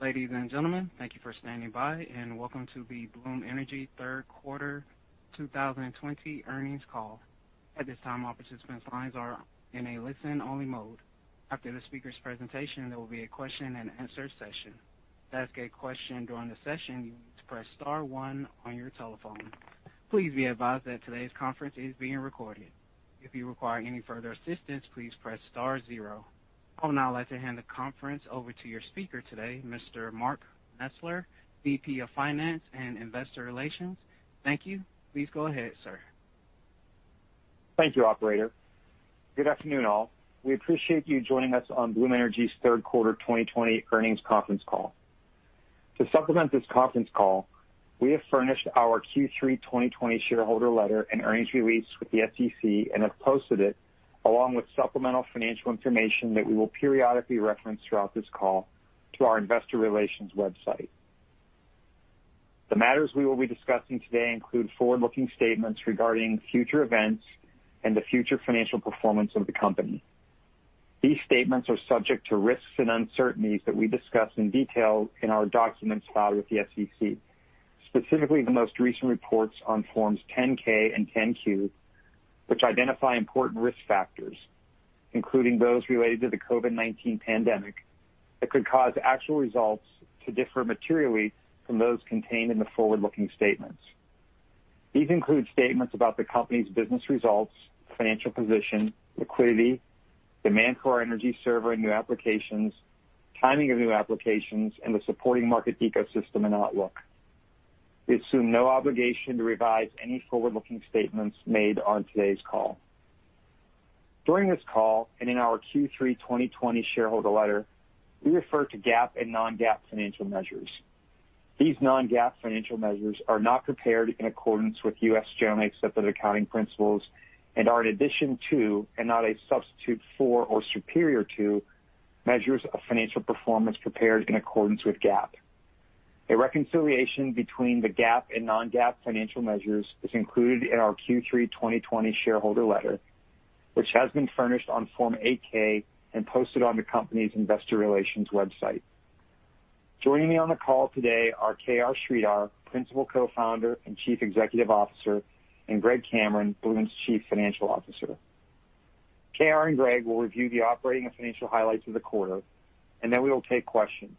Ladies and gentlemen, thank you for standing by, and welcome to the Bloom Energy Q3 2020 Earnings Call. I would now like to hand the conference over to your speaker today, Mr. Mark Mesler, VP of Finance and Investor Relations. Thank you. Please go ahead, sir. Thank you, operator. Good afternoon, all. We appreciate you joining us on Bloom Energy's Q3 2020 earnings conference call. To supplement this conference call, we have furnished our Q3 2020 shareholder letter and earnings release with the SEC and have posted it, along with supplemental financial information that we will periodically reference throughout this call, to our investor relations website. The matters we will be discussing today include forward-looking statements regarding future events and the future financial performance of the company. These statements are subject to risks and uncertainties that we discuss in detail in our documents filed with the SEC, specifically the most recent reports on forms 10-K and 10-Q, which identify important risk factors, including those related to the COVID-19 pandemic, that could cause actual results to differ materially from those contained in the forward-looking statements. These include statements about the company's business results, financial position, liquidity, demand for our Energy Server and new applications, timing of new applications, and the supporting market ecosystem and outlook. We assume no obligation to revise any forward-looking statements made on today's call. During this call, and in our Q3 2020 shareholder letter, we refer to GAAP and non-GAAP financial measures. These non-GAAP financial measures are not prepared in accordance with U.S. generally accepted accounting principles and are in addition to, and not a substitute for or superior to, measures of financial performance prepared in accordance with GAAP. A reconciliation between the GAAP and non-GAAP financial measures is included in our Q3 2020 shareholder letter, which has been furnished on Form 8-K and posted on the company's investor relations website. Joining me on the call today are KR Sridhar, Principal Co-Founder and Chief Executive Officer, and Greg Cameron, Bloom's Chief Financial Officer. KR and Greg will review the operating and financial highlights of the quarter, and then we will take questions.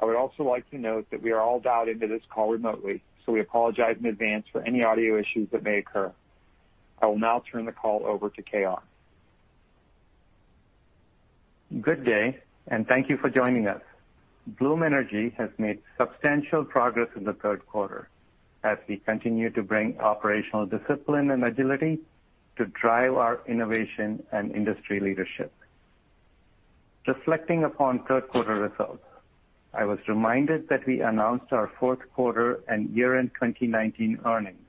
I would also like to note that we are all dialed into this call remotely, so we apologize in advance for any audio issues that may occur. I will now turn the call over to KR. Good day, and thank you for joining us. Bloom Energy has made substantial progress in the Q3 as we continue to bring operational discipline and agility to drive our innovation and industry leadership. Reflecting upon Q3 results, I was reminded that we announced our Q4 and year-end 2019 earnings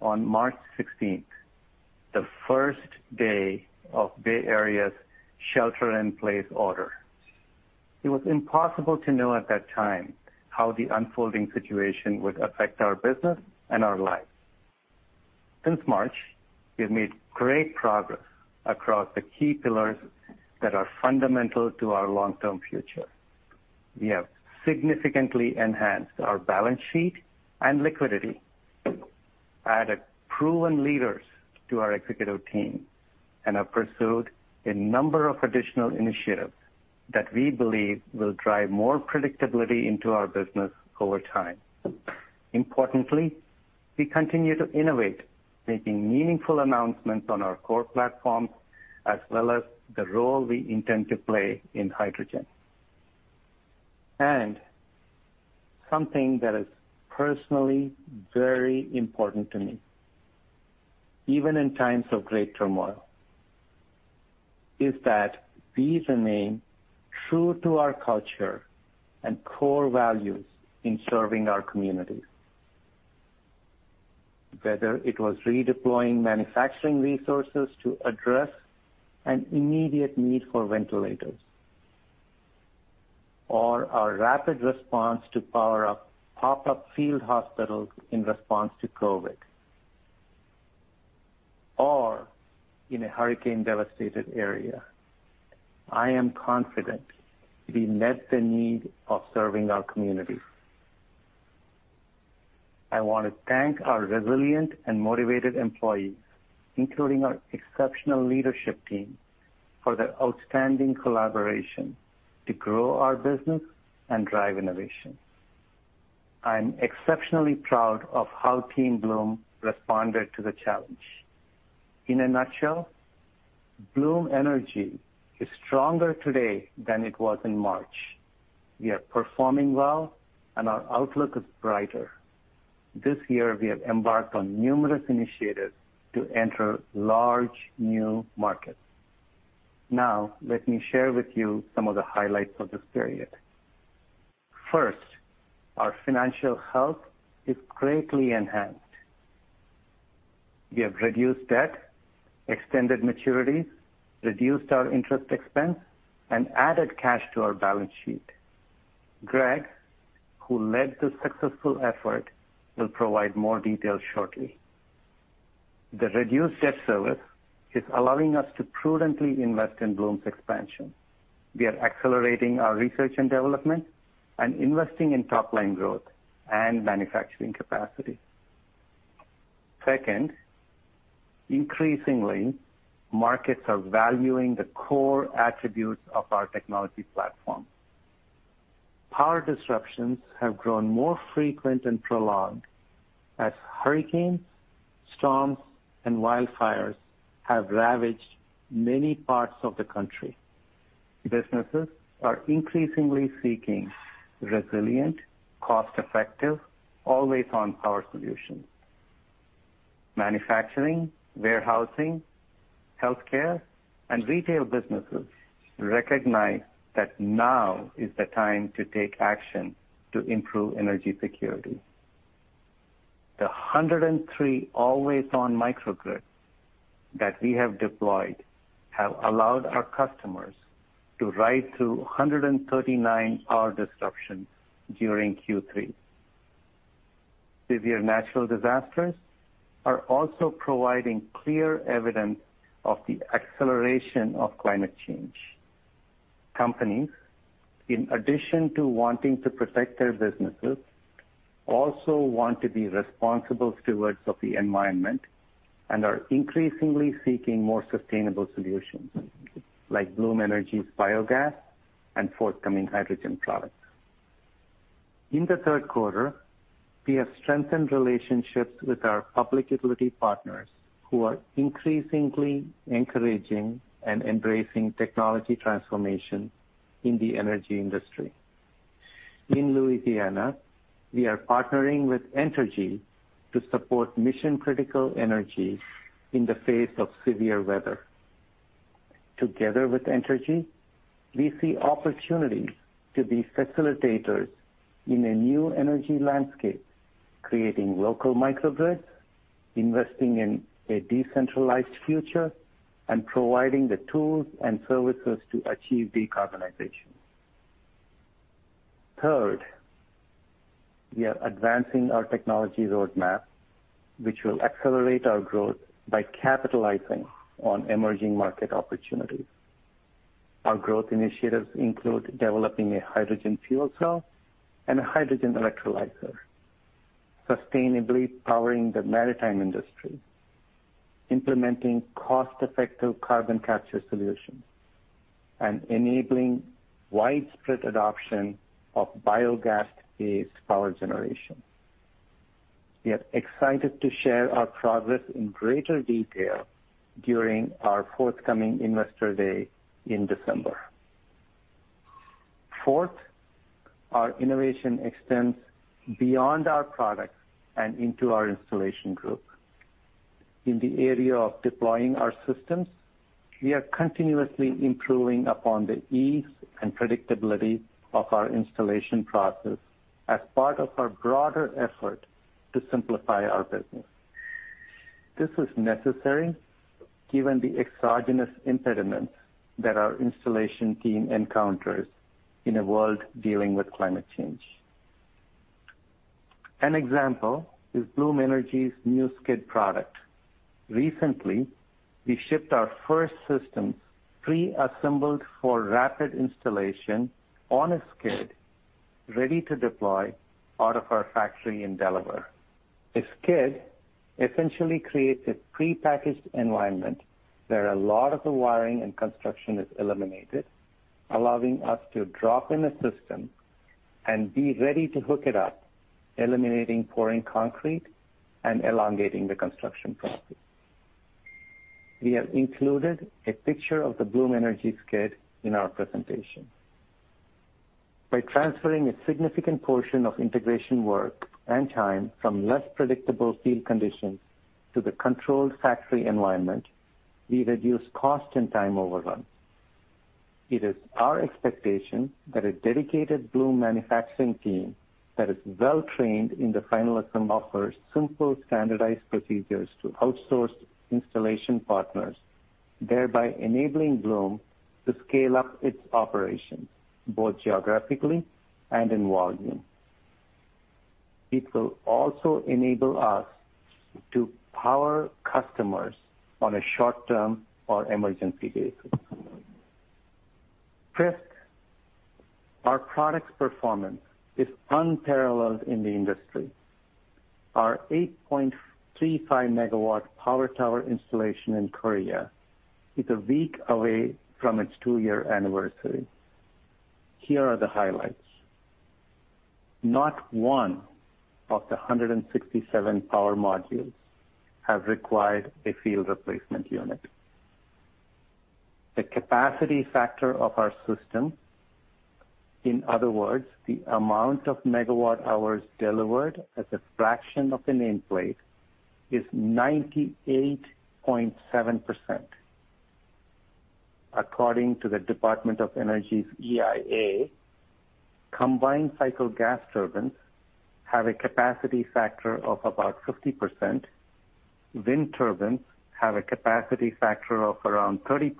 on March 16th, the first day of Bay Area's shelter-in-place order. It was impossible to know at that time how the unfolding situation would affect our business and our lives. Since March, we have made great progress across the key pillars that are fundamental to our long-term future. We have significantly enhanced our balance sheet and liquidity, added proven leaders to our executive team, and have pursued a number of additional initiatives that we believe will drive more predictability into our business over time. We continue to innovate, making meaningful announcements on our core platforms as well as the role we intend to play in hydrogen. Something that is personally very important to me, even in times of great turmoil, is that we remain true to our culture and core values in serving our community. Whether it was redeploying manufacturing resources to address an immediate need for ventilators, or our rapid response to power up pop-up field hospitals in response to COVID, or in a hurricane-devastated area, I am confident we met the need of serving our community. I want to thank our resilient and motivated employees, including our exceptional leadership team, for their outstanding collaboration to grow our business and drive innovation. I'm exceptionally proud of how Team Bloom responded to the challenge. In a nutshell, Bloom Energy is stronger today than it was in March. We are performing well, and our outlook is brighter. This year, we have embarked on numerous initiatives to enter large new markets. Now, let me share with you some of the highlights of this period. First, our financial health is greatly enhanced. We have reduced debt, extended maturities, reduced our interest expense, and added cash to our balance sheet. Greg, who led the successful effort, will provide more details shortly. The reduced debt service is allowing us to prudently invest in Bloom's expansion. We are accelerating our research and development and investing in top-line growth and manufacturing capacity. Second, increasingly, markets are valuing the core attributes of our technology platform. Power disruptions have grown more frequent and prolonged as hurricanes, storms, and wildfires have ravaged many parts of the country. Businesses are increasingly seeking resilient, cost-effective, always-on power solutions. Manufacturing, warehousing, healthcare, and retail businesses recognize that now is the time to take action to improve energy security. The 103 always-on microgrids that we have deployed have allowed our customers to ride through 139 power disruptions during Q3. Severe natural disasters are also providing clear evidence of the acceleration of climate change. Companies, in addition to wanting to protect their businesses, also want to be responsible stewards of the environment and are increasingly seeking more sustainable solutions, like Bloom Energy's biogas and forthcoming hydrogen products. In the Q3, we have strengthened relationships with our public utility partners, who are increasingly encouraging and embracing technology transformation in the energy industry. In Louisiana, we are partnering with Entergy to support mission-critical energy in the face of severe weather. Together with Entergy, we see opportunities to be facilitators in a new energy landscape, creating local microgrids, investing in a decentralized future, and providing the tools and services to achieve decarbonization. Third, we are advancing our technology roadmap, which will accelerate our growth by capitalizing on emerging market opportunities. Our growth initiatives include developing a hydrogen fuel cell and a hydrogen electrolyzer, sustainably powering the maritime industry, implementing cost-effective carbon capture solutions, and enabling widespread adoption of biogas-based power generation. We are excited to share our progress in greater detail during our forthcoming Investor Day in December. Fourth, our innovation extends beyond our products and into our installation group. In the area of deploying our systems, we are continuously improving upon the ease and predictability of our installation process as part of our broader effort to simplify our business. This is necessary given the exogenous impediments that our installation team encounters in a world dealing with climate change. An example is Bloom Energy's new skid product. Recently, we shipped our first systems pre-assembled for rapid installation on a skid, ready to deploy out of our factory in Delaware. A skid essentially creates a prepackaged environment where a lot of the wiring and construction is eliminated, allowing us to drop in a system and be ready to hook it up, eliminating pouring concrete and elongating the construction process. We have included a picture of the Bloom Energy skid in our presentation. By transferring a significant portion of integration work and time from less predictable field conditions to the controlled factory environment, we reduce cost and time overrun. It is our expectation that a dedicated Bloom manufacturing team that is well-trained in the final assembly offers simple, standardized procedures to outsourced installation partners, thereby enabling Bloom to scale up its operations, both geographically and in volume. It will also enable us to power customers on a short-term or emergency basis. Fifth, our product's performance is unparalleled in the industry. Our 8.35-MW Power Tower installation in Korea is a week away from its two-year anniversary. Here are the highlights. Not one of the 167 power modules have required a field replacement unit. The capacity factor of our system, in other words, the amount of megawatt hours delivered as a fraction of the nameplate, is 98.7%. According to the Department of Energy's EIA, combined cycle gas turbines have a capacity factor of about 50%. Wind turbines have a capacity factor of around 30%.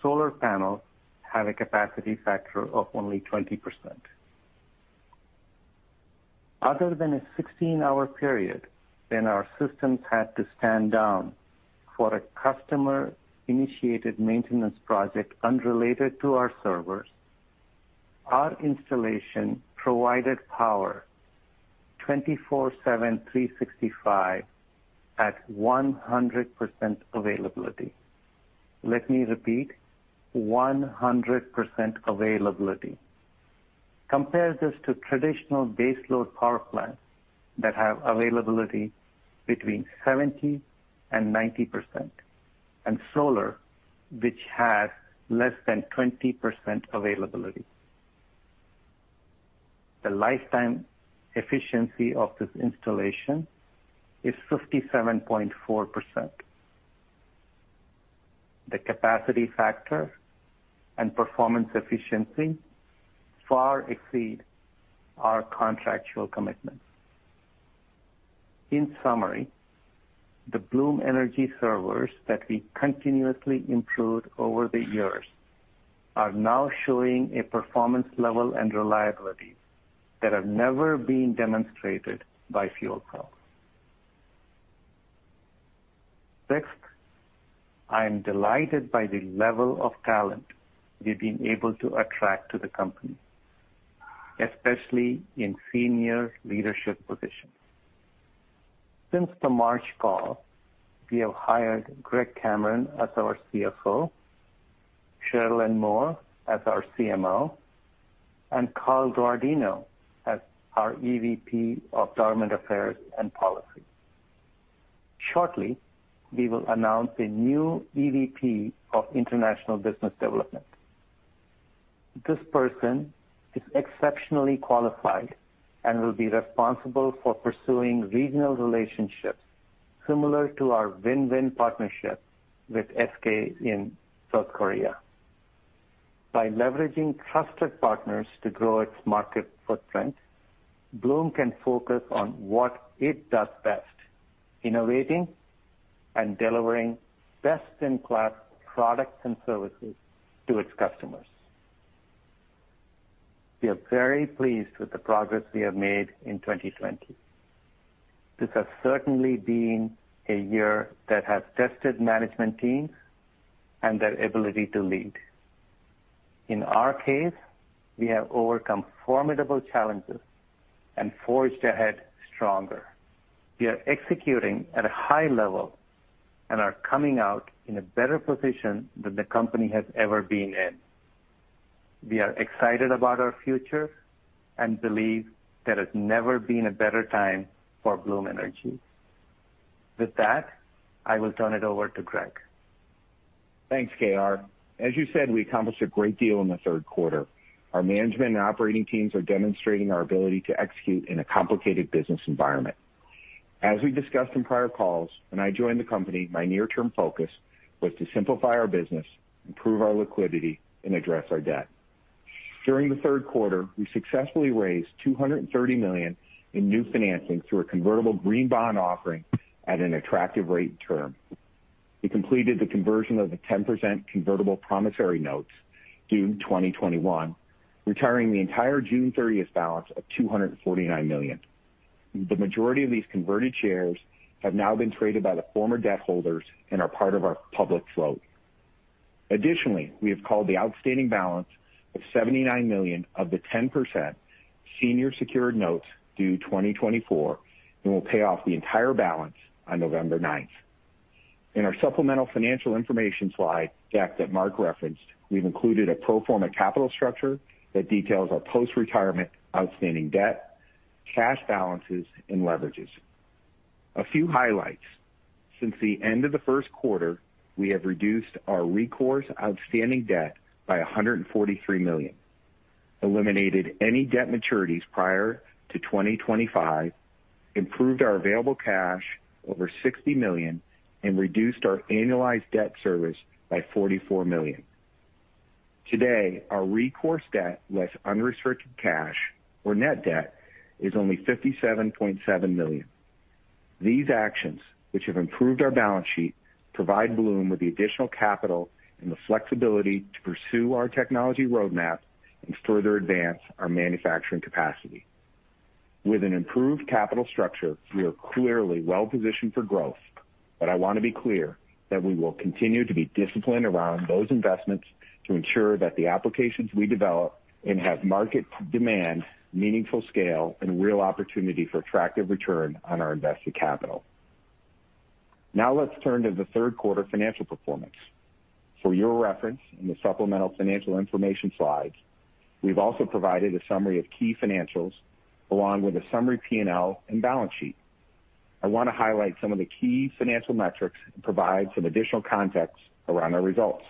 Solar panels have a capacity factor of only 20%. Other than a 16-hour period, when our systems had to stand down for a customer-initiated maintenance project unrelated to our Energy Servers, our installation provided power 24/7, 365 at 100% availability. Let me repeat, 100% availability. Compare this to traditional baseload power plants that have availability between 70% and 90%, and solar, which has less than 20% availability. The lifetime efficiency of this installation is 57.4%. The capacity factor and performance efficiency far exceed our contractual commitments. In summary, the Bloom Energy Servers that we continuously improved over the years are now showing a performance level and reliability that have never been demonstrated by fuel cells. Sixth, I am delighted by the level of talent we've been able to attract to the company, especially in senior leadership positions. Since the March call, we have hired Greg Cameron as our CFO, Sharelynn Moore as our CMO, and Carl Guardino as our EVP of Government Affairs and Policy. Shortly, we will announce a new EVP of International Business Development. This person is exceptionally qualified and will be responsible for pursuing regional relationships similar to our win-win partnership with SK in South Korea. By leveraging trusted partners to grow its market footprint, Bloom can focus on what it does best, innovating and delivering best-in-class products and services to its customers. We are very pleased with the progress we have made in 2020. This has certainly been a year that has tested management teams and their ability to lead. In our case, we have overcome formidable challenges and forged ahead stronger. We are executing at a high level and are coming out in a better position than the company has ever been in. We are excited about our future and believe there has never been a better time for Bloom Energy. With that, I will turn it over to Greg. Thanks, KR. As you said, we accomplished a great deal in the Q3. Our management and operating teams are demonstrating our ability to execute in a complicated business environment. As we discussed in prior calls, when I joined the company, my near-term focus was to simplify our business, improve our liquidity, and address our debt. During the Q3, we successfully raised $230 million in new financing through a convertible green bond offering at an attractive rate and term. We completed the conversion of the 10% Convertible Promissory Notes due 2021, retiring the entire June 30th balance of $249 million. The majority of these converted shares have now been traded by the former debt holders and are part of our public float. Additionally, we have called the outstanding balance of $79 million of the 10% Senior Secured Notes due 2024, and will pay off the entire balance on November 9th. In our supplemental financial information slide deck that Mark referenced, we've included a pro forma capital structure that details our post-retirement outstanding debt, cash balances, and leverages. A few highlights. Since the end of the Q1, we have reduced our recourse outstanding debt by $143 million, eliminated any debt maturities prior to 2025, improved our available cash over $60 million, and reduced our annualized debt service by $44 million. Today, our recourse debt less unrestricted cash or net debt is only $57.7 million. These actions, which have improved our balance sheet, provide Bloom with the additional capital and the flexibility to pursue our technology roadmap and further advance our manufacturing capacity. With an improved capital structure, we are clearly well positioned for growth, but I want to be clear that we will continue to be disciplined around those investments to ensure that the applications we develop and have market demand, meaningful scale, and real opportunity for attractive return on our invested capital. Let's turn to the Q3 financial performance. For your reference, in the supplemental financial information slides, we've also provided a summary of key financials along with a summary P&L and balance sheet. I want to highlight some of the key financial metrics and provide some additional context around our results.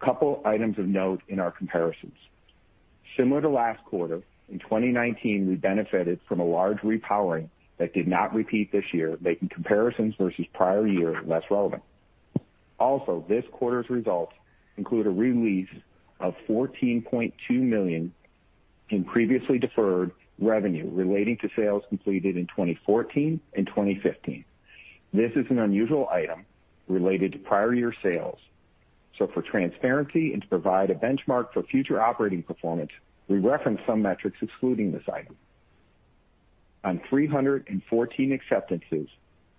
A couple items of note in our comparisons. Similar to last quarter, in 2019, we benefited from a large repowering that did not repeat this year, making comparisons versus prior years less relevant. Also, this quarter's results include a release of $14.2 million in previously deferred revenue relating to sales completed in 2014 and 2015. This is an unusual item related to prior year sales. For transparency and to provide a benchmark for future operating performance, we reference some metrics excluding this item. On 314 acceptances,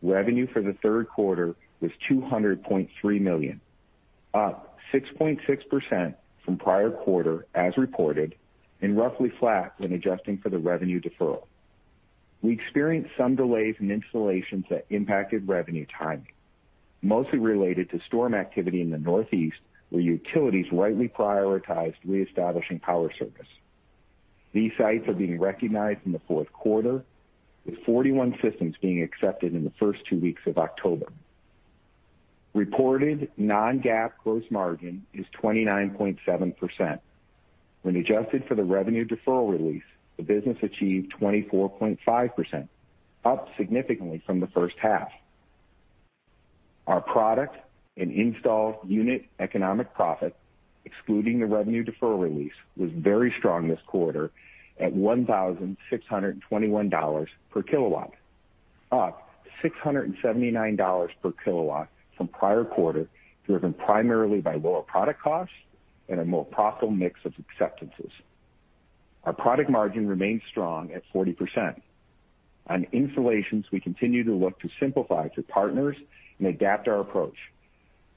revenue for the Q3 was $200.3 million, up 6.6% from prior quarter as reported, and roughly flat when adjusting for the revenue deferral. We experienced some delays in installations that impacted revenue timing, mostly related to storm activity in the Northeast, where utilities rightly prioritized reestablishing power service. These sites are being recognized in the Q4, with 41 systems being accepted in the first two weeks of October. Reported non-GAAP gross margin is 29.7%. When adjusted for the revenue deferral release, the business achieved 24.5%, up significantly from the H1. Our product and installed unit economic profit, excluding the revenue deferral release, was very strong this quarter at $1,621 per kW, up $679 per kW from prior quarter, driven primarily by lower product costs and a more profitable mix of acceptances. Our product margin remains strong at 40%. On installations, we continue to look to simplify through partners and adapt our approach,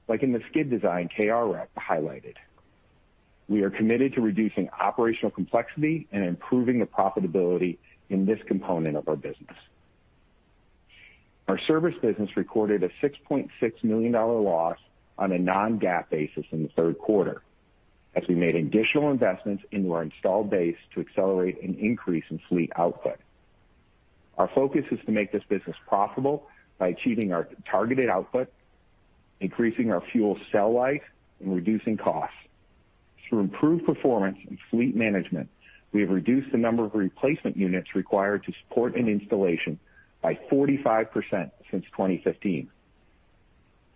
like in the skid design KR rep highlighted. We are committed to reducing operational complexity and improving the profitability in this component of our business. Our service business recorded a $6.6 million loss on a non-GAAP basis in the Q3 as we made additional investments into our installed base to accelerate an increase in fleet output. Our focus is to make this business profitable by achieving our targeted output, increasing our fuel cell life, and reducing costs. Through improved performance and fleet management, we have reduced the number of replacement units required to support an installation by 45% since 2015.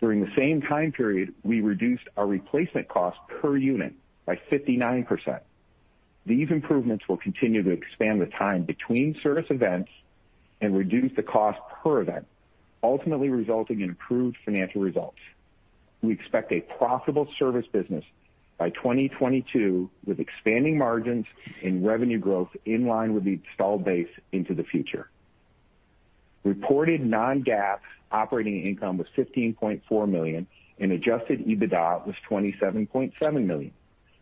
During the same time period, we reduced our replacement cost per unit by 59%. These improvements will continue to expand the time between service events and reduce the cost per event, ultimately resulting in improved financial results. We expect a profitable service business by 2022, with expanding margins and revenue growth in line with the installed base into the future. Reported non-GAAP operating income was $15.4 million and adjusted EBITDA was $27.7 million.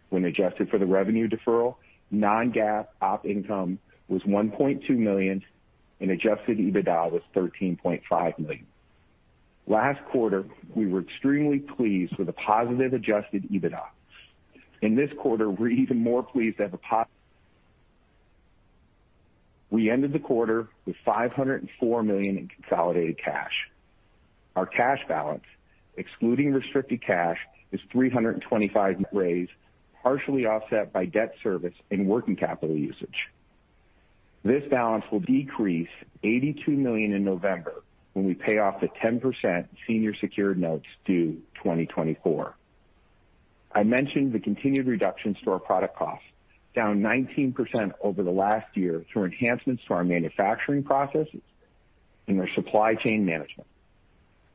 When adjusted for the revenue deferral, non-GAAP op income was $1.2 million and adjusted EBITDA was $13.5 million. Last quarter, we were extremely pleased with a positive adjusted EBITDA. In this quarter, we're even more pleased to have We ended the quarter with $504 million in consolidated cash. Our cash balance, excluding restricted cash, is $325 million, partially offset by debt service and working capital usage. This balance will decrease $82 million in November when we pay off the 10% Senior Secured Notes due 2024. I mentioned the continued reductions to our product cost, down 19% over the last year through enhancements to our manufacturing processes and our supply chain management.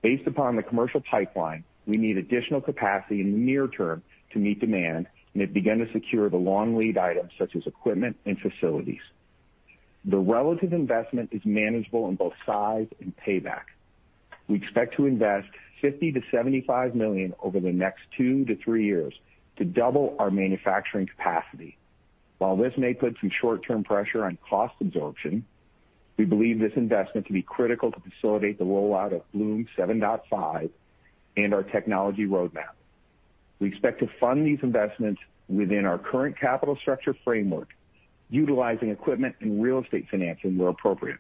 Based upon the commercial pipeline, we need additional capacity in the near term to meet demand and have begun to secure the long lead items such as equipment and facilities. The relative investment is manageable in both size and payback. We expect to invest $50 million-$75 million over the next two to three years to double our manufacturing capacity. While this may put some short-term pressure on cost absorption, we believe this investment to be critical to facilitate the rollout of Bloom 7.5 and our technology roadmap. We expect to fund these investments within our current capital structure framework, utilizing equipment and real estate financing where appropriate.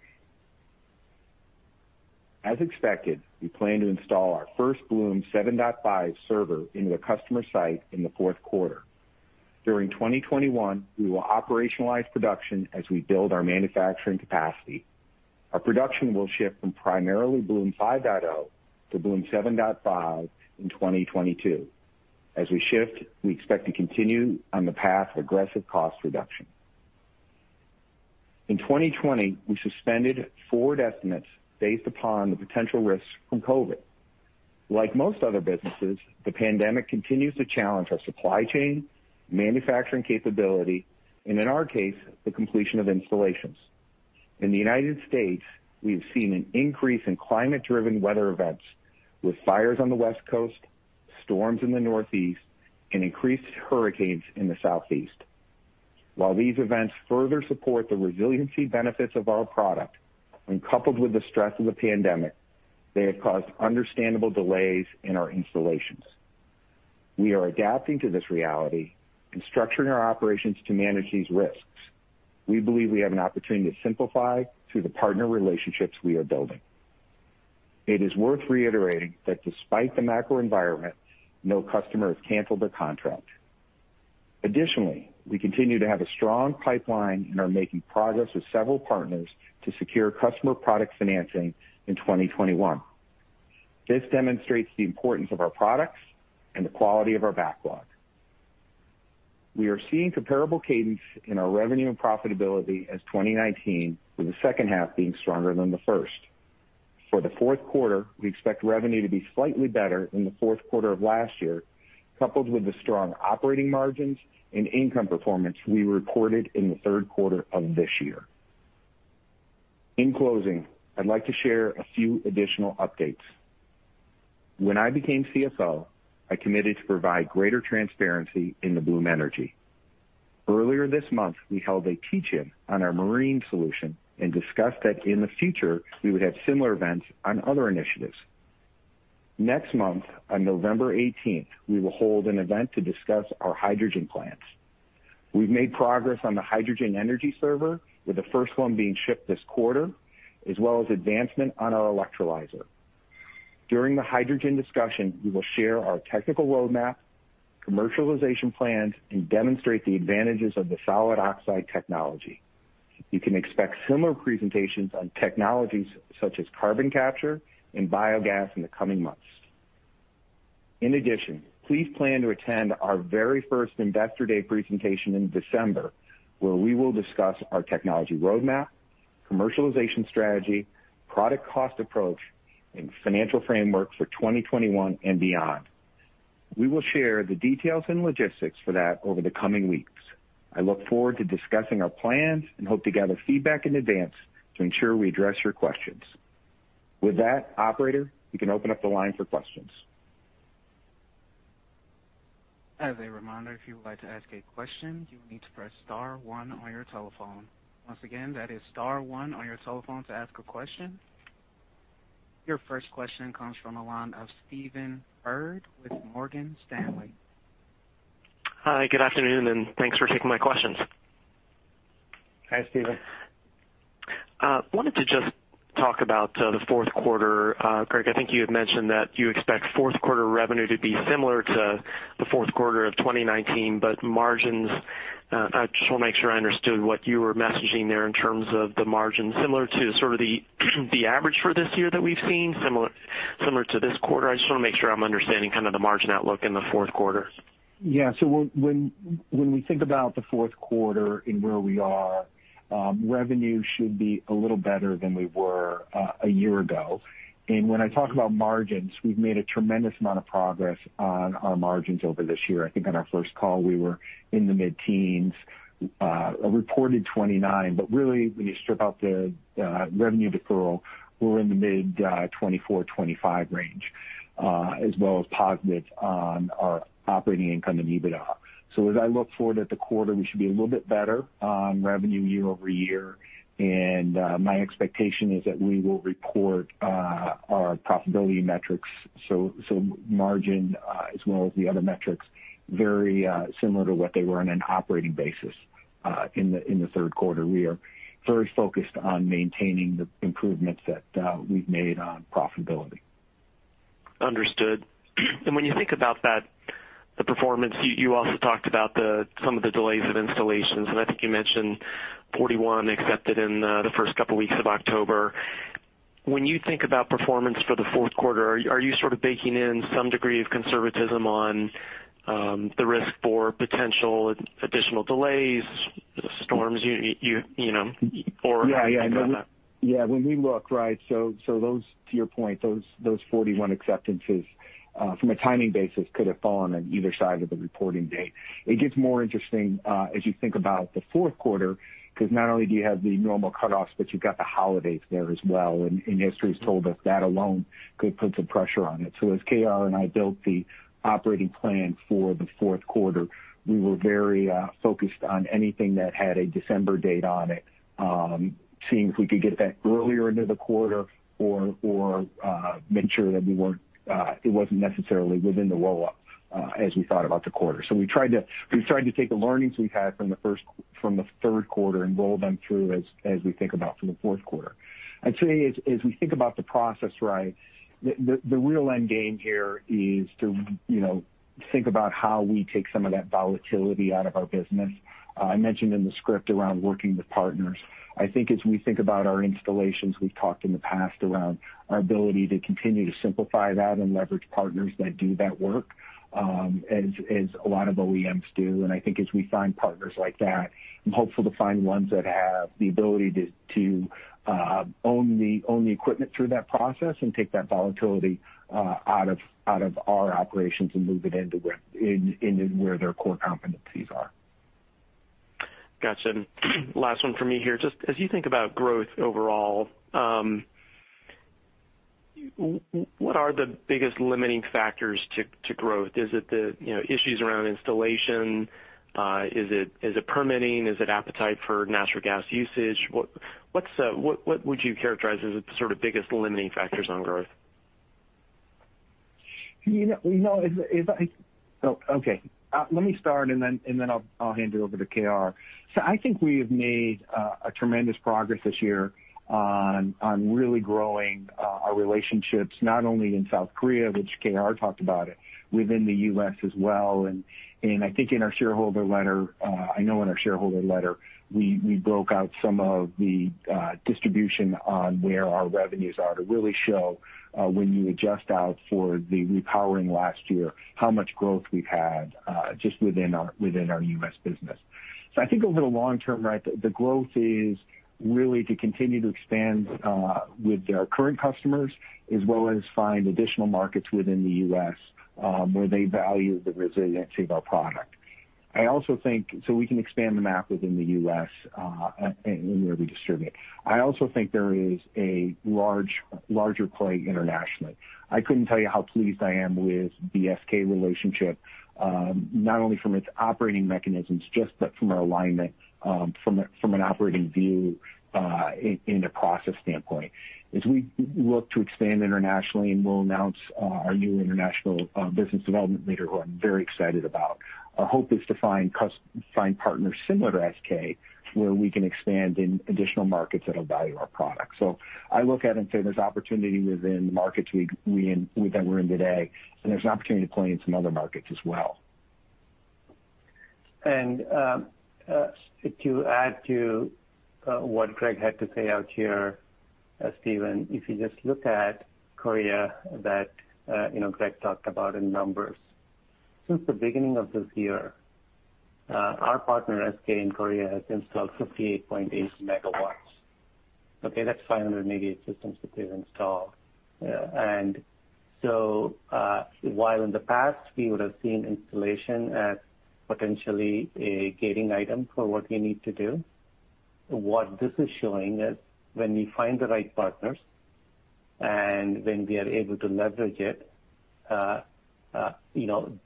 As expected, we plan to install our first Bloom 7.5 server into a customer site in the Q4. During 2021, we will operationalize production as we build our manufacturing capacity. Our production will shift from primarily Bloom 5.0 to Bloom 7.5 in 2022. As we shift, we expect to continue on the path of aggressive cost reduction. In 2020, we suspended forward estimates based upon the potential risks from COVID. Like most other businesses, the pandemic continues to challenge our supply chain, manufacturing capability, and in our case, the completion of installations. In the United States, we have seen an increase in climate-driven weather events, with fires on the West Coast, storms in the Northeast, and increased hurricanes in the Southeast. While these events further support the resiliency benefits of our product, when coupled with the stress of the pandemic, they have caused understandable delays in our installations. We are adapting to this reality and structuring our operations to manage these risks. We believe we have an opportunity to simplify through the partner relationships we are building. It is worth reiterating that despite the macro environment, no customer has canceled a contract. Additionally, we continue to have a strong pipeline and are making progress with several partners to secure customer product financing in 2021. This demonstrates the importance of our products and the quality of our backlog. We are seeing comparable cadence in our revenue and profitability as 2019, with the H2 being stronger than the first. For the Q4, we expect revenue to be slightly better than the Q4 of last year, coupled with the strong operating margins and income performance we reported in the Q3 of this year. In closing, I'd like to share a few additional updates. When I became CFO, I committed to provide greater transparency into Bloom Energy. Earlier this month, we held a teach-in on our marine solution and discussed that in the future we would have similar events on other initiatives. Next month, on November 18th, we will hold an event to discuss our hydrogen plans. We've made progress on the Hydrogen Energy Server, with the first one being shipped this quarter, as well as advancement on our electrolyzer. During the hydrogen discussion, we will share our technical roadmap, commercialization plans, and demonstrate the advantages of the solid oxide technology. You can expect similar presentations on technologies such as carbon capture and biogas in the coming months. Please plan to attend our very first Investor Day presentation in December, where we will discuss our technology roadmap, commercialization strategy, product cost approach, and financial framework for 2021 and beyond. We will share the details and logistics for that over the coming weeks. I look forward to discussing our plans and hope to gather feedback in advance to ensure we address your questions. Operator, you can open up the line for questions. As a reminder, if you would like to ask a question, you will need to press star one on your telephone. Once again, that is star one on your telephone to ask a question. Your first question comes from the line of Stephen Byrd with Morgan Stanley. Hi, good afternoon, and thanks for taking my questions. Hi, Stephen. I wanted to just talk about the Q4. Greg, I think you had mentioned that you expect Q4 revenue to be similar to the Q4 of 2019, but margins, I just want to make sure I understood what you were messaging there in terms of the margin similar to sort of the average for this year that we've seen similar to this quarter. I just want to make sure I'm understanding the margin outlook in the Q4. Yeah. When we think about the Q4 and where we are, revenue should be a little better than we were a year ago. When I talk about margins, we've made a tremendous amount of progress on our margins over this year. I think on our first call, we were in the mid-teens, a reported 29%. Really when you strip out the revenue deferral, we're in the mid-24%-25% range as well as positive on our operating income and EBITDA. As I look forward at the quarter, we should be a little bit better on revenue year-over-year. My expectation is that we will report our profitability metrics, so margin as well as the other metrics, very similar to what they were on an operating basis in the Q3. We are very focused on maintaining the improvements that we've made on profitability. Understood. When you think about that, the performance, you also talked about some of the delays of installations, and I think you mentioned 41 accepted in the first couple of weeks of October. When you think about performance for the Q4, are you sort of baking in some degree of conservatism on the risk for potential additional delays, storms, or anything like that? Yeah. When we look, to your point, those 41 acceptances from a timing basis could have fallen on either side of the reporting date. It gets more interesting as you think about the Q4, because not only do you have the normal cutoffs, but you've got the holidays there as well, and history has told us that alone could put some pressure on it. As KR and I built the operating plan for the Q4, we were very focused on anything that had a December date on it, seeing if we could get that earlier into the quarter or make sure that it wasn't necessarily within the roll-up as we thought about the quarter. We tried to take the learnings we've had from the Q3 and roll them through as we think about for the Q4. I'd say as we think about the process, the real end game here is to think about how we take some of that volatility out of our business. I mentioned in the script around working with partners. I think as we think about our installations, we've talked in the past around our ability to continue to simplify that and leverage partners that do that work as a lot of OEMs do. I think as we find partners like that, I'm hopeful to find ones that have the ability to own the equipment through that process and take that volatility out of our operations and move it into where their core competencies are. Gotcha. Last one for me here. Just as you think about growth overall, what are the biggest limiting factors to growth? Is it the issues around installation? Is it permitting? Is it appetite for natural gas usage? What would you characterize as the sort of biggest limiting factors on growth? Let me start, and then I'll hand it over to KR. I think we have made a tremendous progress this year on really growing our relationships, not only in South Korea, which KR talked about, within the U.S. as well. I think in our shareholder letter, I know in our shareholder letter, we broke out some of the distribution on where our revenues are to really show when you adjust out for the repowering last year, how much growth we've had just within our U.S. business. I think over the long term, the growth is really to continue to expand with our current customers as well as find additional markets within the U.S. where they value the resiliency of our product. I also think, so we can expand the map within the U.S., and where we distribute. I also think there is a larger play internationally. I couldn't tell you how pleased I am with the SK relationship, not only from its operating mechanisms just, but from our alignment, from an operating view, in a process standpoint. As we look to expand internationally, and we'll announce our new international business development leader, who I'm very excited about, our hope is to find partners similar to SK, where we can expand in additional markets that'll value our product. I look at it and say there's opportunity within the markets that we're in today, and there's an opportunity to play in some other markets as well. To add to what Greg had to say out here, Stephen, if you just look at Korea, that Greg talked about in numbers. Since the beginning of this year, our partner, SK in Korea, has installed 58.8 MW. Okay, that's 588 systems that they've installed. While in the past we would have seen installation as potentially a gating item for what we need to do, what this is showing is when we find the right partners and when we are able to leverage it,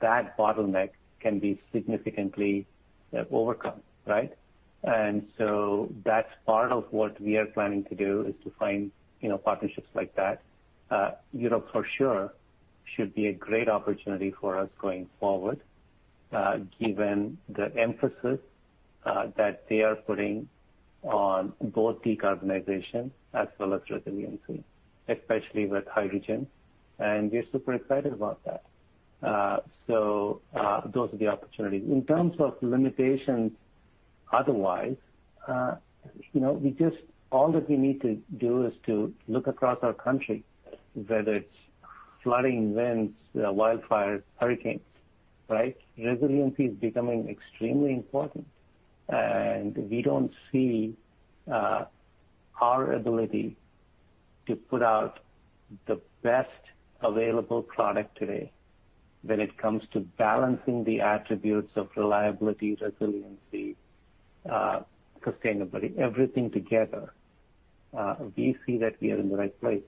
that bottleneck can be significantly overcome, right? That's part of what we are planning to do, is to find partnerships like that. Europe for sure should be a great opportunity for us going forward, given the emphasis that they are putting on both decarbonization as well as resiliency, especially with hydrogen. We're super excited about that. Those are the opportunities. In terms of limitations otherwise, all that we need to do is to look across our country, whether it's flooding, winds, wildfires, hurricanes, right? Resiliency is becoming extremely important. We don't see our ability to put out the best available product today when it comes to balancing the attributes of reliability, resiliency, sustainability, everything together. We see that we are in the right place.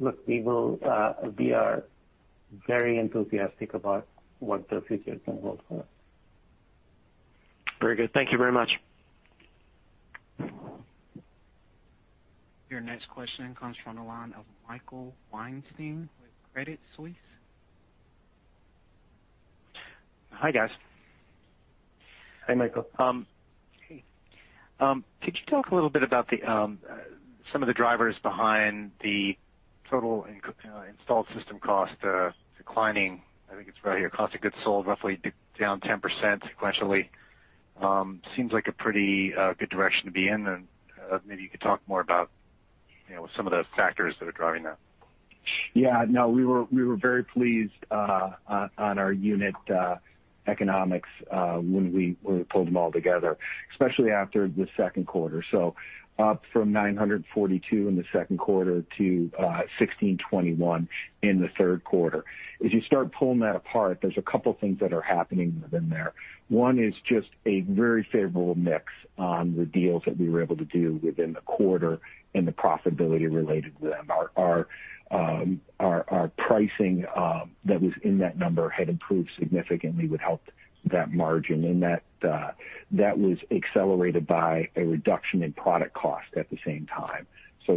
Look, we are very enthusiastic about what the future can hold for us. Very good. Thank you very much. Your next question comes from the line of Michael Weinstein with Credit Suisse. Hi, guys. Hi, Michael. Hey. Could you talk a little bit about some of the drivers behind the total installed system cost declining? I think it's right here. Cost of goods sold roughly down 10% sequentially. Seems like a pretty good direction to be in. Maybe you could talk more about some of the factors that are driving that. No, we were very pleased on our unit economics when we pulled them all together, especially after the Q2. Up from $942 in the Q2 to $1,621 in the Q3. As you start pulling that apart, there's a couple things that are happening within there. One is just a very favorable mix on the deals that we were able to do within the quarter and the profitability related to them. Our pricing that was in that number had improved significantly would help that margin. That was accelerated by a reduction in product cost at the same time.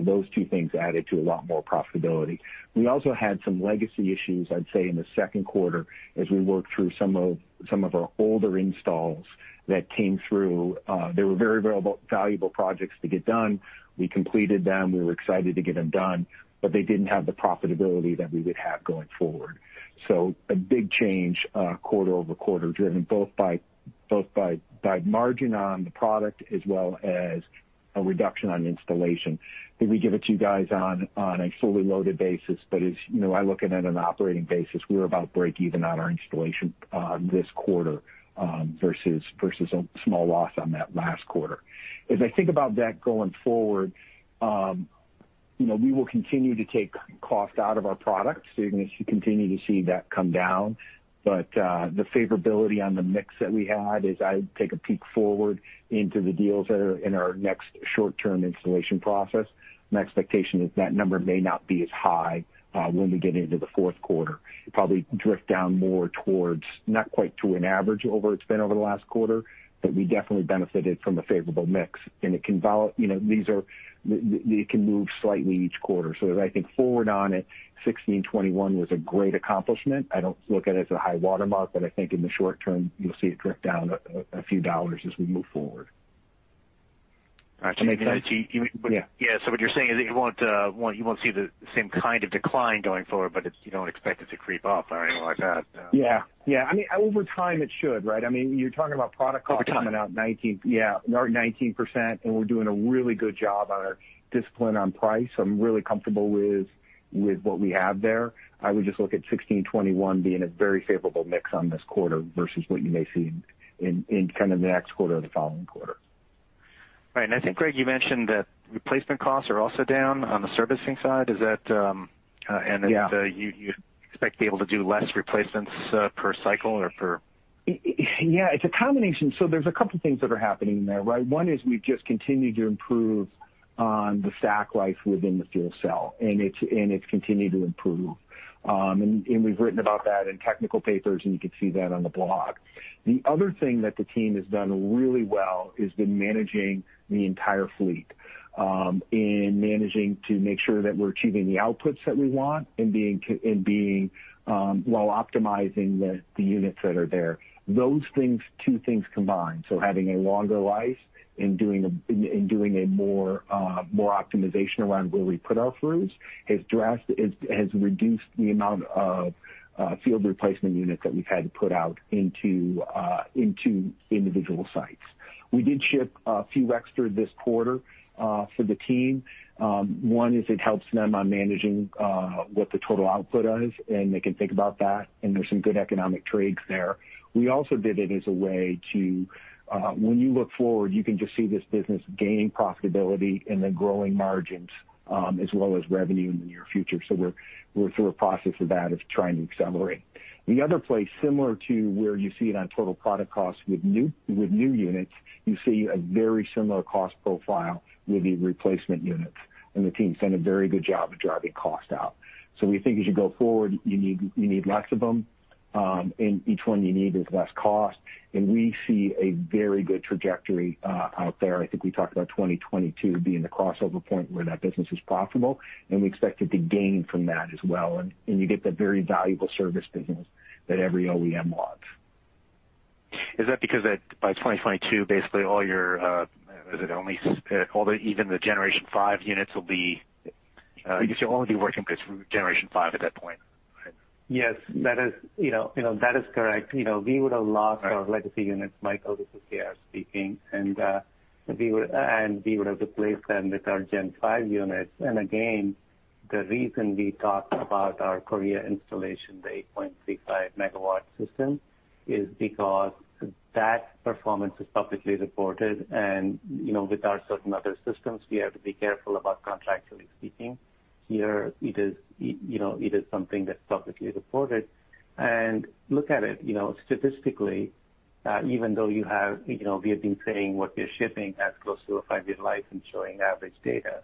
Those two things added to a lot more profitability. We also had some legacy issues, I'd say, in the Q2 as we worked through some of our older installs that came through. They were very valuable projects to get done. We completed them. We were excited to get them done, but they didn't have the profitability that we would have going forward. A big change quarter-over-quarter, driven both by margin on the product as well as a reduction on installation. I think we give it to you guys on a fully loaded basis, but as I look at it on an operating basis, we're about breakeven on our installation this quarter, versus a small loss on that last quarter. As I think about that going forward, we will continue to take cost out of our products. You're going to continue to see that come down. The favorability on the mix that we had as I take a peek forward into the deals that are in our next short-term installation process, my expectation is that number may not be as high when we get into the Q4. It'd probably drift down more towards, not quite to an average over it's been over the last quarter, but we definitely benefited from a favorable mix. It can move slightly each quarter. As I think forward on it, 1621 was a great accomplishment. I don't look at it as a high watermark, but I think in the short term, you'll see it drift down a few dollars as we move forward. Does that make sense? Yeah. What you're saying is that you won't see the same kind of decline going forward, but you don't expect it to creep up or anything like that. Yeah. Over time, it should, right? You're talking about product cost. Over time coming out 19%. Yeah. 19%, We're doing a really good job on our discipline on price. I'm really comfortable with what we have there. I would just look at 1,621 being a very favorable mix on this quarter versus what you may see in kind of the next quarter or the following quarter. Right. I think, Greg, you mentioned that replacement costs are also down on the servicing side. Is that? Yeah That you expect to be able to do less replacements per cycle or per? It's a combination. There's a couple things that are happening there, right? One is we've just continued to improve on the stack life within the fuel cell, and it's continued to improve. We've written about that in technical papers, and you can see that on the blog. The other thing that the team has done really well is been managing the entire fleet, in managing to make sure that we're achieving the outputs that we want and while optimizing the units that are there. Those two things combined, so having a longer life and doing a more optimization around where we put our fuels, has reduced the amount of field replacement units that we've had to put out into individual sites. We did ship a few extra this quarter, for the team. One is it helps them on managing, what the total output is, and they can think about that, and there's some good economic trades there. We also did it. When you look forward, you can just see this business gaining profitability and then growing margins, as well as revenue in the near future. We're through a process of that, of trying to accelerate. The other place, similar to where you see it on total product costs with new units, you see a very similar cost profile with the replacement units, and the team's done a very good job of driving cost out. We think as you go forward, you need less of them, and each one you need is less cost. We see a very good trajectory out there. I think we talked about 2022 being the crossover point where that business is profitable, and we expect it to gain from that as well. You get the very valuable service business that every OEM loves. Is that because that by 2022, basically all your, is it only, even the Generation 5 units will be, I guess you'll only be working with Generation 5 at that point, right? Yes. That is correct. We would've lost our legacy units, Michael, this is KR speaking, and we would've replaced them with our Gen 5 units. Again, the reason we talk about our Korea installation, the 8.65 megawatt system, is because that performance is publicly reported. With our certain other systems, we have to be careful about contractually speaking. Here it is something that's publicly reported. Look at it, statistically, even though we have been saying what we are shipping has close to a five-year life and showing average data,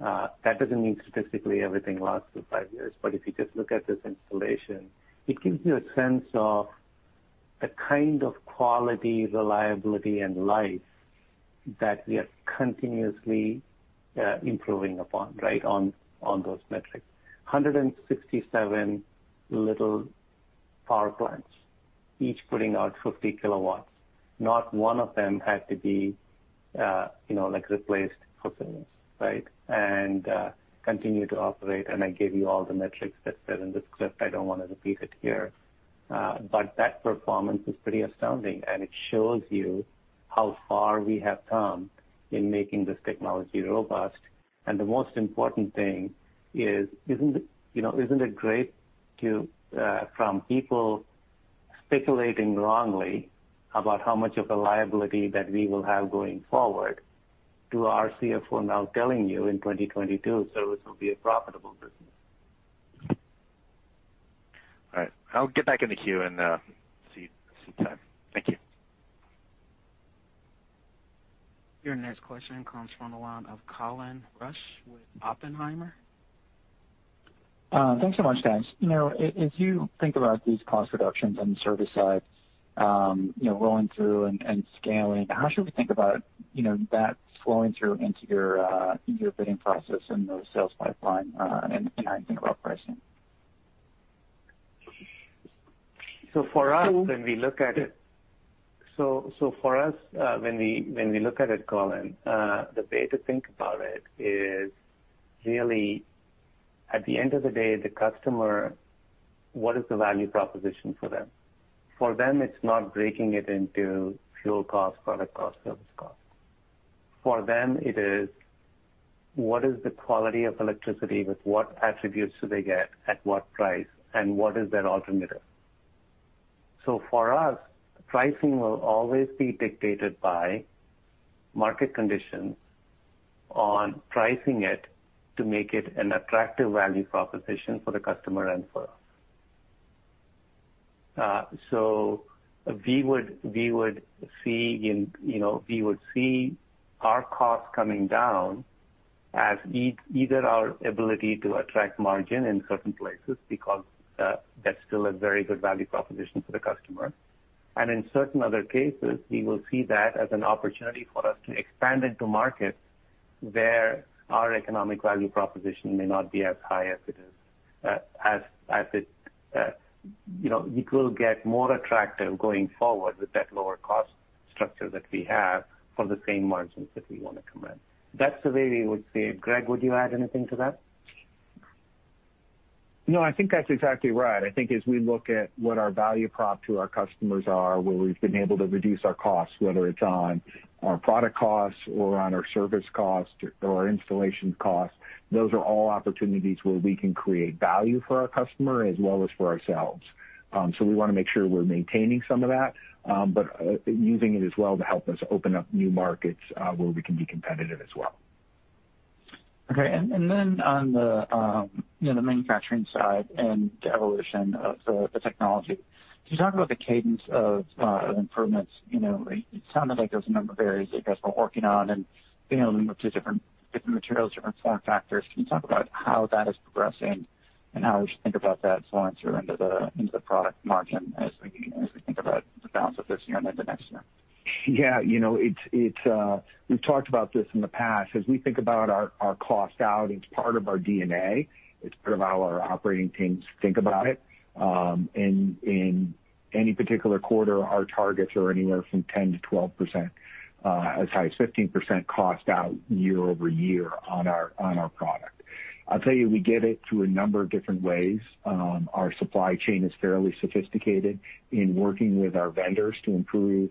that doesn't mean statistically everything lasts for five years. If you just look at this installation, it gives you a sense of the kind of quality, reliability, and life that we are continuously improving upon, right, on those metrics. 167 little power plants, each putting out 50 kW, not one of them had to be replaced for service, right? Continue to operate, I gave you all the metrics that's there in the script. I don't want to repeat it here. That performance is pretty astounding, it shows you how far we have come in making this technology robust. The most important thing is, isn't it great to, from people speculating wrongly about how much of a liability that we will have going forward, to our CFO now telling you in 2022 service will be a profitable business? All right. I'll get back in the queue and see you sometime. Thank you. Your next question comes from the line of Colin Rusch with Oppenheimer. Thanks so much, guys. As you think about these cost reductions on the service side, rolling through and scaling, how should we think about that flowing through into your bidding process and the sales pipeline, and think about pricing? For us, when we look at it, Colin, the way to think about it is really at the end of the day, the customer, what is the value proposition for them? For them, it's not breaking it into fuel cost, product cost, service cost. For them, it is, what is the quality of electricity, with what attributes do they get, at what price, and what is their alternative? For us, pricing will always be dictated by market conditions on pricing it to make it an attractive value proposition for the customer and for us. We would see our costs coming down as either our ability to attract margin in certain places because, that's still a very good value proposition for the customer. In certain other cases, we will see that as an opportunity for us to expand into markets where our economic value proposition may not be as high as it is. It will get more attractive going forward with that lower cost structure that we have for the same margins that we want to command. That's the way we would see it. Greg, would you add anything to that? No, I think that's exactly right. I think as we look at what our value prop to our customers are, where we've been able to reduce our costs, whether it's on our product costs or on our service cost or our installation cost, those are all opportunities where we can create value for our customer as well as for ourselves. We want to make sure we're maintaining some of that, but using it as well to help us open up new markets, where we can be competitive as well. Okay. On the manufacturing side and the evolution of the technology, can you talk about the cadence of improvements? It sounded like there was a number of areas that you guys were working on and being able to move to different materials, different form factors. Can you talk about how that is progressing and how we should think about that flowing through into the product margin as we think about the balance of this year and into next year? Yeah. We've talked about this in the past. As we think about our cost out, it's part of our DNA, it's part of how our operating teams think about it. In any particular quarter, our targets are anywhere from 10%-12%, as high as 15% cost out year-over-year on our product. I'll tell you, we get it through a number of different ways. Our supply chain is fairly sophisticated in working with our vendors to improve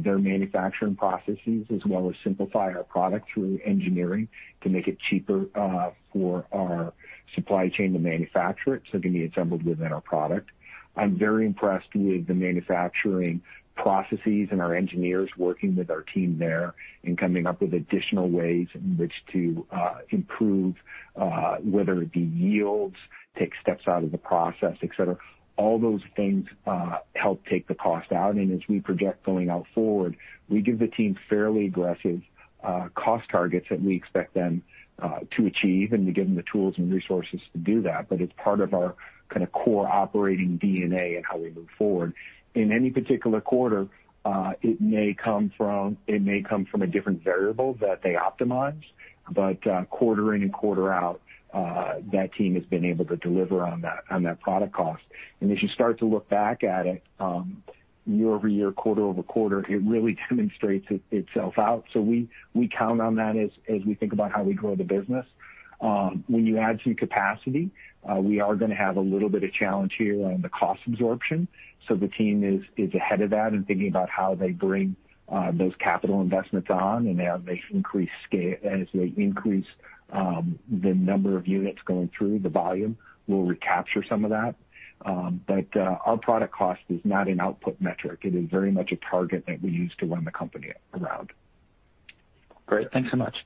their manufacturing processes, as well as simplify our product through engineering to make it cheaper for our supply chain to manufacture it, so it can be assembled within our product. I'm very impressed with the manufacturing processes and our engineers working with our team there and coming up with additional ways in which to improve, whether it be yields, take steps out of the process, et cetera. All those things help take the cost out. As we project going out forward, we give the team fairly aggressive cost targets that we expect them to achieve, and we give them the tools and resources to do that. It's part of our kind of core operating DNA and how we move forward. In any particular quarter, it may come from a different variable that they optimize. Quarter in and quarter out, that team has been able to deliver on that product cost. As you start to look back at it, year-over-year, quarter-over-quarter, it really demonstrates itself out. We count on that as we think about how we grow the business. When you add some capacity, we are going to have a little bit of challenge here on the cost absorption. The team is ahead of that and thinking about how they bring those capital investments on, and as they increase the number of units going through, the volume, we'll recapture some of that. But our product cost is not an output metric. It is very much a target that we use to run the company around. Great. Thanks so much.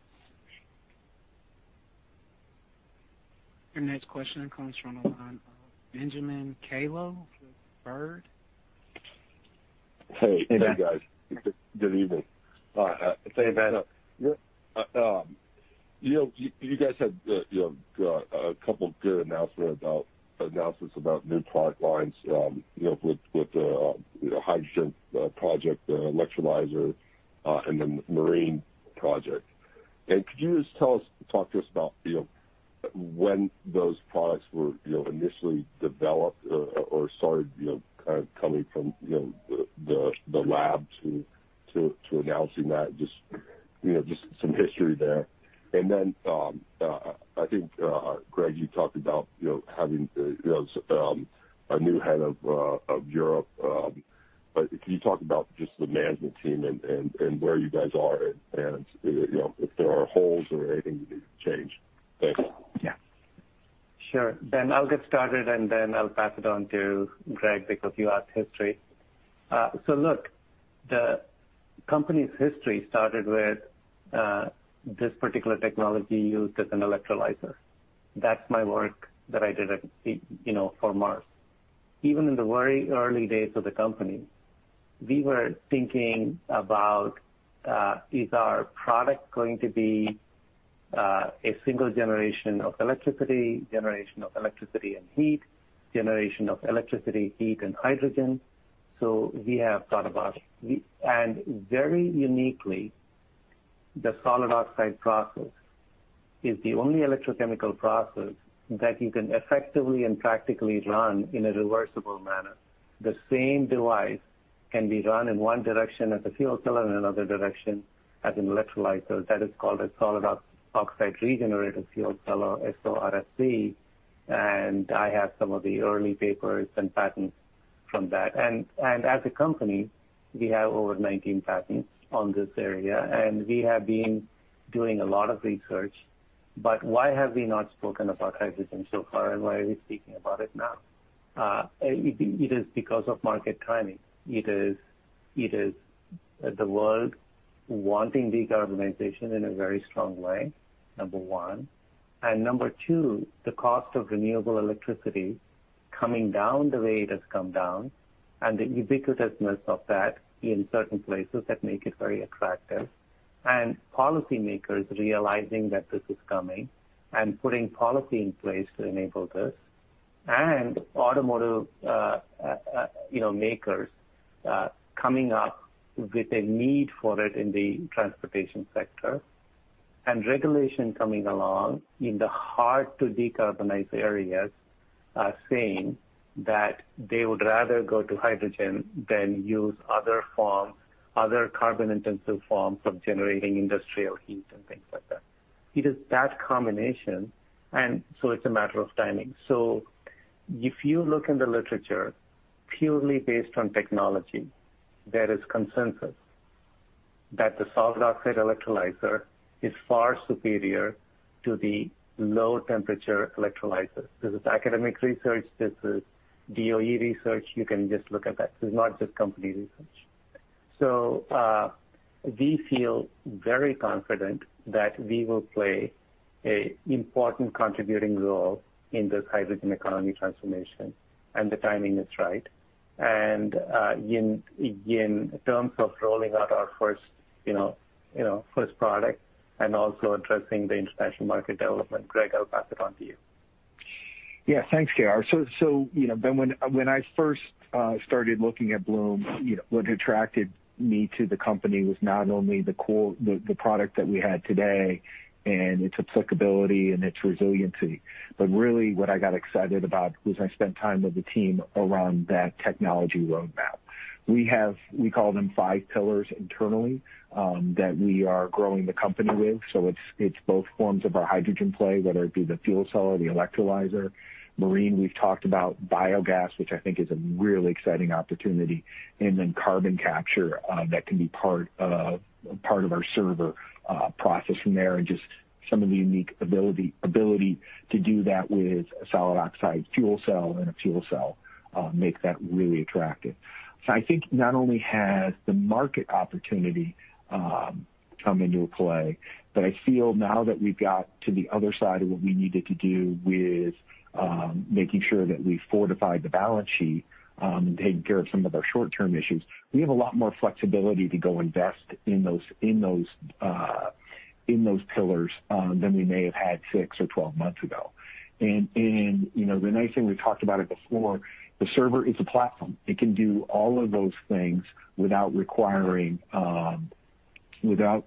Your next question comes from the line of Benjamin Kallo with Baird. Hey. Hey. Hey, guys. Good evening. Hey, Ben. You guys had a couple good announcements about new product lines with the hydrogen electrolyzer and the marine project. Could you just talk to us about when those products were initially developed or started coming from the lab to announcing that? Just some history there. I think, Greg, you talked about having a new head of Europe. Can you talk about just the management team and where you guys are and if there are holes or anything you need to change? Thanks. Yeah. Sure. Ben, I'll get started, and then I'll pass it on to Greg because you asked history. Look, the company's history started with this particular technology used as an electrolyzer. That's my work that I did for Mars. Even in the very early days of the company, we were thinking about, is our product going to be a single generation of electricity, generation of electricity and heat, generation of electricity, heat and hydrogen? We have thought about it. Very uniquely, the solid oxide process is the only electrochemical process that you can effectively and practically run in a reversible manner. The same device can be run in one direction as a fuel cell and another direction as an electrolyzer. That is called a solid oxide regenerative fuel cell, or SOFC. I have some of the early papers and patents from that. As a company, we have over 19 patents on this area, and we have been doing a lot of research. Why have we not spoken about hydrogen so far, and why are we speaking about it now? It is because of market timing. It is the world wanting decarbonization in a very strong way, number one. Number two, the cost of renewable electricity coming down the way it has come down, and the ubiquitousness of that in certain places that make it very attractive, and policymakers realizing that this is coming and putting policy in place to enable this, and automotive makers coming up with a need for it in the transportation sector, and regulation coming along in the hard-to-decarbonize areas, saying that they would rather go to hydrogen than use other forms, other carbon-intensive forms of generating industrial heat and things like that. It is that combination. It's a matter of timing. If you look in the literature, purely based on technology, there is consensus that the solid oxide electrolyzer is far superior to the low-temperature electrolyzers. This is academic research. This is DOE research. You can just look at that. This is not just company research. We feel very confident that we will play an important contributing role in this hydrogen economy transformation, and the timing is right. In terms of rolling out our first product and also addressing the international market development, Greg, I'll pass it on to you. Yeah, thanks, KR. Ben, when I first started looking at Bloom, what attracted me to the company was not only the product that we have today and its applicability and its resiliency, but really what I got excited about was I spent time with the team around that technology roadmap. We call them five pillars internally, that we are growing the company with. It's both forms of our hydrogen play, whether it be the fuel cell or the electrolyzer. Marine, we've talked about. biogas, which I think is a really exciting opportunity, carbon capture that can be part of our server processing there and just some of the unique ability to do that with a solid oxide fuel cell and a fuel cell makes that really attractive. I think not only has the market opportunity come into play, but I feel now that we've got to the other side of what we needed to do with making sure that we fortified the balance sheet and taking care of some of our short-term issues, we have a lot more flexibility to go invest in those pillars than we may have had six or 12 months ago. The nice thing, we've talked about it before, the server is a platform. It can do all of those things without requiring a lot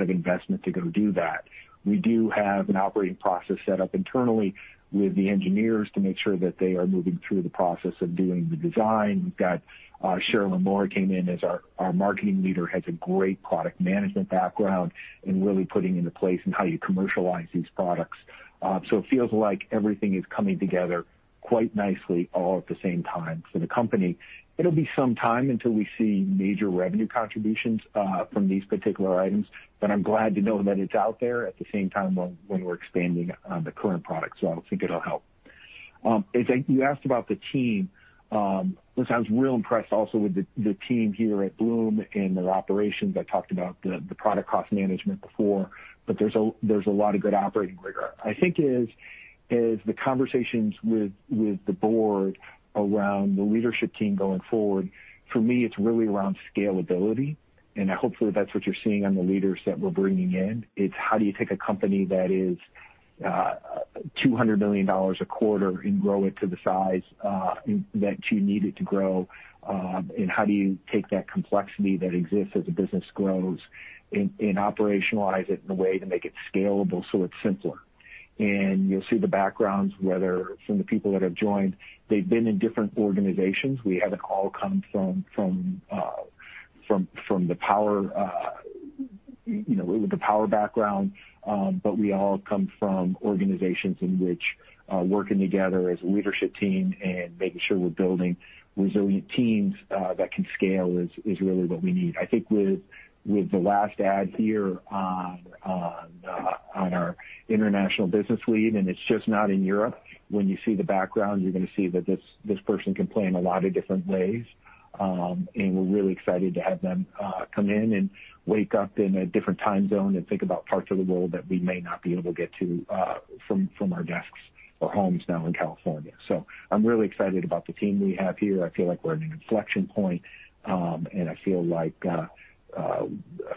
of investment to go do that. We do have an operating process set up internally with the engineers to make sure that they are moving through the process of doing the design. We've got, Sharelynn Moore came in as our marketing leader, has a great product management background and really putting into place in how you commercialize these products. It feels like everything is coming together quite nicely all at the same time for the company. It'll be some time until we see major revenue contributions from these particular items, but I'm glad to know that it's out there at the same time when we're expanding on the current product. I think it'll help. You asked about the team. Listen, I was real impressed also with the team here at Bloom and their operations. I talked about the product cost management before, but there's a lot of good operating rigor. I think as the conversations with the board around the leadership team going forward, for me, it's really around scalability, and hopefully that's what you're seeing on the leaders that we're bringing in. It's how do you take a company that is $200 million a quarter and grow it to the size that you need it to grow? How do you take that complexity that exists as the business grows and operationalize it in a way to make it scalable so it's simpler? You'll see the backgrounds, whether some of the people that have joined, they've been in different organizations. We haven't all come with the power background. We all come from organizations in which working together as a leadership team and making sure we're building resilient teams that can scale is really what we need. I think with the last add here on our international business lead, and it's just not in Europe, when you see the background, you're going to see that this person can play in a lot of different ways. We're really excited to have them come in and wake up in a different time zone and think about parts of the world that we may not be able to get to from our desks or homes now in California. I'm really excited about the team we have here. I feel like we're at an inflection point, and I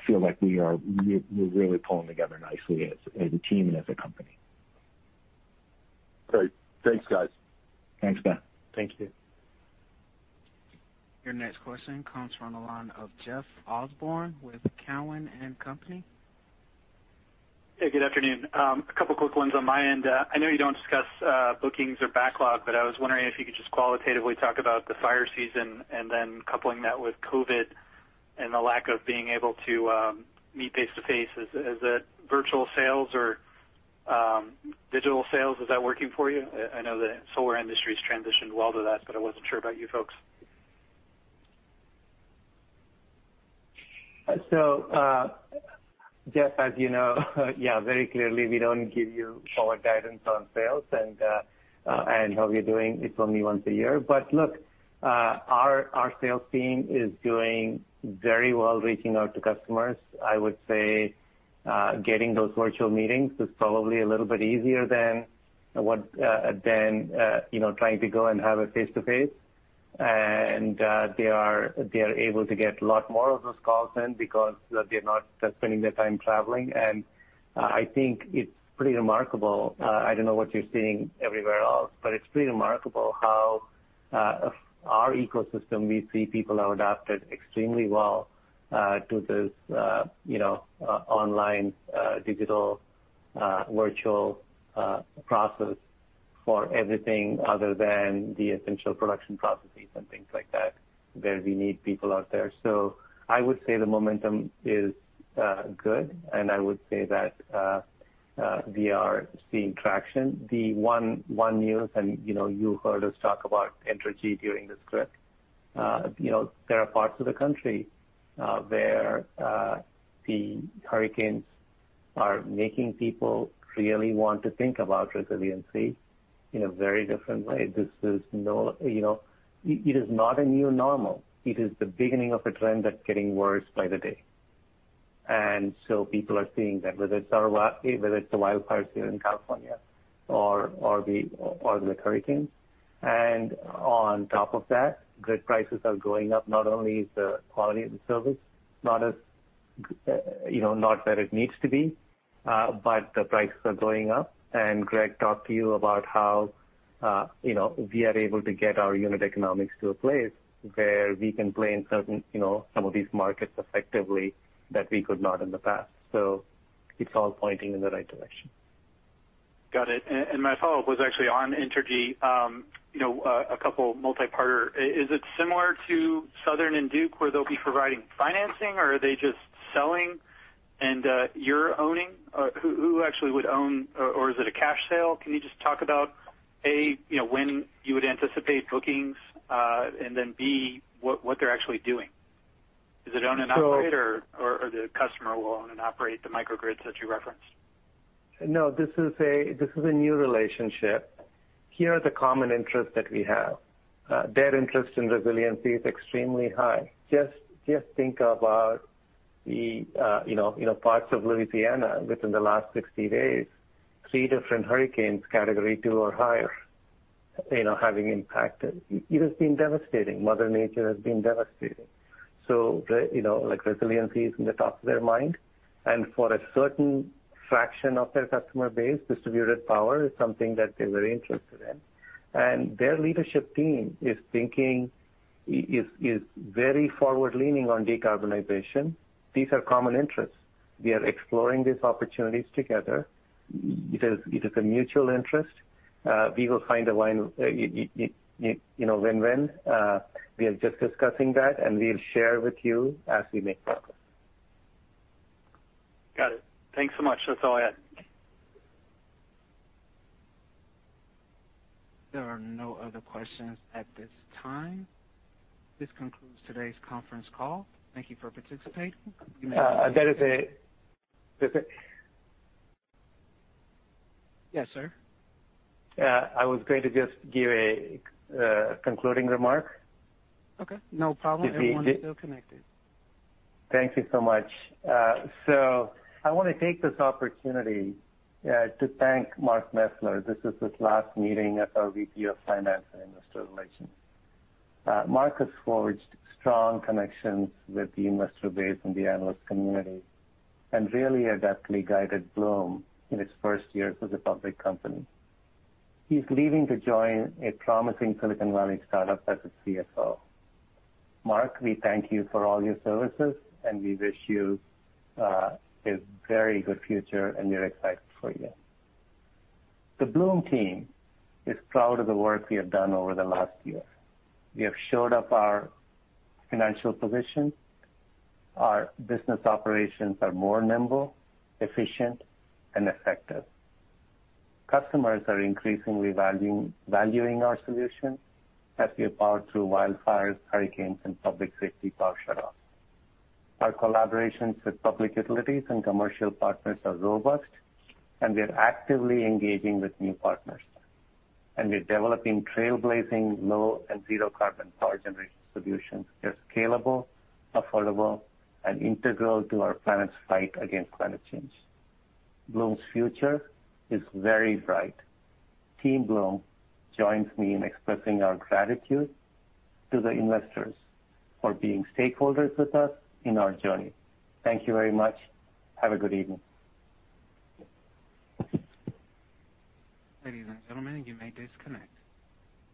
feel like we're really pulling together nicely as a team and as a company. Great. Thanks, guys. Thanks, Ben. Thank you. Your next question comes from the line of Jeff Osborne with Cowen and Company. Yeah, good afternoon. A couple quick ones on my end. I know you don't discuss bookings or backlog, but I was wondering if you could just qualitatively talk about the fire season and then coupling that with COVID and the lack of being able to meet face-to-face. Is it virtual sales or digital sales? Is that working for you? I know the solar industry's transitioned well to that, but I wasn't sure about you folks. Jeff, as you know very clearly, we don't give you forward guidance on sales and how we're doing. It's only once a year. Look, our sales team is doing very well reaching out to customers. I would say getting those virtual meetings is probably a little bit easier than trying to go and have a face-to-face. They are able to get a lot more of those calls in because they're not spending their time traveling. I think it's pretty remarkable. I don't know what you're seeing everywhere else, but it's pretty remarkable how our ecosystem, we see people have adapted extremely well to this online, digital, virtual process for everything other than the essential production processes and things like that, where we need people out there. I would say the momentum is good, and I would say that we are seeing traction. The one news, you heard us talk about Entergy during the script. There are parts of the country where the hurricanes are making people really want to think about resiliency in a very different way. It is not a new normal. It is the beginning of a trend that's getting worse by the day. People are seeing that, whether it's the wildfires here in California or the hurricanes. On top of that, grid prices are going up. Not only is the quality of the service, not that it needs to be, but the prices are going up. Greg talked to you about how we are able to get our unit economics to a place where we can play in some of these markets effectively that we could not in the past. It's all pointing in the right direction. Got it. My follow-up was actually on Entergy. A couple multi-parter. Is it similar to Southern and Duke where they'll be providing financing or are they just selling and you're owning? Who actually would own or is it a cash sale? Can you just talk about, A, when you would anticipate bookings, and then B, what they're actually doing? Is it own and operate or the customer will own and operate the microgrids that you referenced? No, this is a new relationship. Here are the common interests that we have. Their interest in resiliency is extremely high. Just think about the parts of Louisiana within the last 60 days, three different hurricanes, category 2 or higher, having impact. It has been devastating. Mother Nature has been devastating. Resiliency is in the top of their mind, and for a certain fraction of their customer base, distributed power is something that they're very interested in. Their leadership team is very forward-leaning on decarbonization. These are common interests. We are exploring these opportunities together. It is a mutual interest. We will find a line, a win-win. We are just discussing that, and we'll share with you as we make progress. Got it. Thanks so much. That's all I had. There are no other questions at this time. This concludes today's conference call. Thank you for participating. There is a- Yes, sir. I was going to just give a concluding remark. Okay, no problem. Everyone's still connected. Thank you so much. I want to take this opportunity to thank Mark Mesler. This is his last meeting as our VP of Finance and Investor Relations. Mark has forged strong connections with the investor base and the analyst community and really adeptly guided Bloom in its first year as a public company. He's leaving to join a promising Silicon Valley startup as a CFO. Mark, we thank you for all your services, and we wish you a very good future, and we are excited for you. The Bloom team is proud of the work we have done over the last year. We have shored up our financial position. Our business operations are more nimble, efficient and effective. Customers are increasingly valuing our solution as we power through wildfires, hurricanes, and public safety power shutoff. Our collaborations with public utilities and commercial partners are robust. We are actively engaging with new partners. We're developing trailblazing low and zero carbon power generation solutions that are scalable, affordable, and integral to our planet's fight against climate change. Bloom's future is very bright. Team Bloom joins me in expressing our gratitude to the investors for being stakeholders with us in our journey. Thank you very much. Have a good evening. Ladies and gentlemen, you may disconnect.